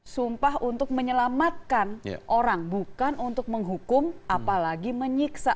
sumpah untuk menyelamatkan orang bukan untuk menghukum apalagi menyiksa